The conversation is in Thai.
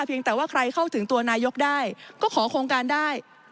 แต่ว่าใครเข้าถึงตัวนายกได้ก็ขอโครงการได้